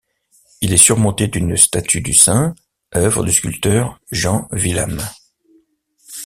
Il est surmonté d'une statue du saint, œuvre du sculpteur Jean Willame.